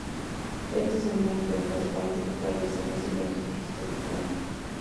Estos emplean su olfato para identificar a las hembras siguiendo sus rastros de feromonas.